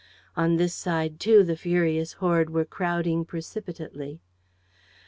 On this side, too, the furious horde were crowding precipitately.